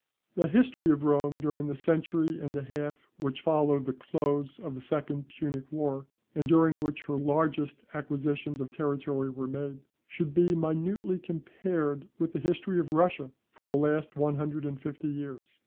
The history of Rome during the century and a half which followed the close of the second Punic war, and during which her largest acquisitions of territory were made, should be minutely compared with the history of Russia for the last one hundred and fifty years.